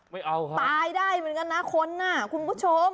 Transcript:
ไม่เอาฮะตายได้เหมือนกันนะคนน่ะคุณผู้ชม